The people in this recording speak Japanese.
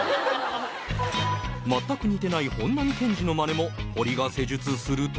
全く似てない本並健治のまねもホリが施術すると。